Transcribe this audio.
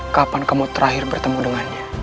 kapan kamu terakhir bertemu dengannya